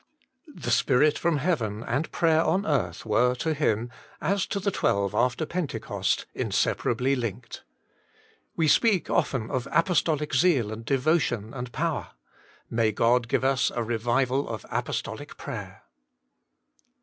The Spirit from heaven and prayer on earth were to him, as to the twelve after Pentecost, inseparably linked. We speak often of apostolic zeal and devotion and power may God give us a revival of apostolic prayer.